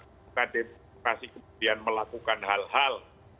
ketika demokrasi kemudian melakukan hal hal